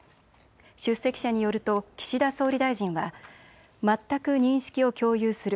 出席者によると岸田総理大臣は全く認識を共有する。